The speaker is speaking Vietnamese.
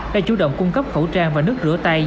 đã chủ động cung cấp khẩu trang và nước rửa tay